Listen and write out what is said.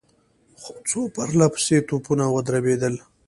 څو پرله پسې توپونه ودربېدل.